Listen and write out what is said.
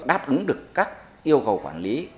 đáp ứng được các yêu cầu quản lý